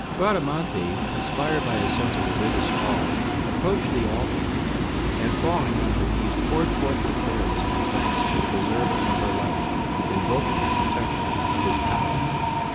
Bradamante, inspired by a sense of religious awe, approached the altar, and, falling on her knees, poured forth her prayers and thanks to the Preserver of her life, invoking the protection of his power.